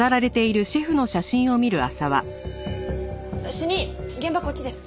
主任現場こっちです。